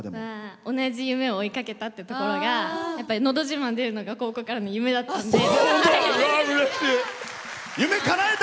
「同じ夢を追いかけた」っていうところが「のど自慢」に出ることが高校からの夢だったので。